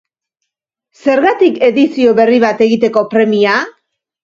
Zergatik edizio berri bat egiteko premia?